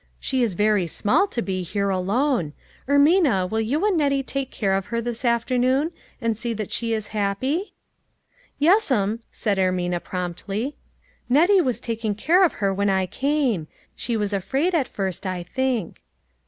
She is very small to be here alone. Ermina, will you and Nettie take care of her this afternoon, and see that she is happy ?"" Yes'm," said Ermina promptly. " Nettie 316 LITTLE FISHERS: AND THEIR NETS. was taking care of her when I came. She was afraid at first, I think."